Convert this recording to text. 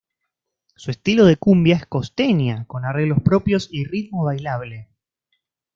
Su estilo de cumbia es costeña, con arreglos propios y ritmo bailable.